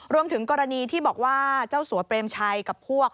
รวมถึงกรณีที่บอกว่าเจ้าสัวเปรมชัยกับพวก